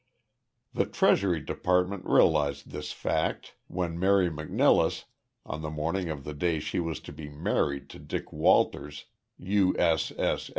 The Treasury Department realized this fact when Mary McNilless, on the morning of the day she was to be married to Dick Walters, U.